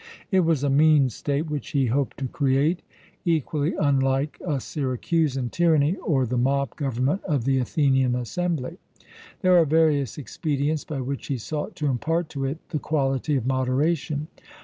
It was a mean state which he hoped to create, equally unlike a Syracusan tyranny or the mob government of the Athenian assembly. There are various expedients by which he sought to impart to it the quality of moderation.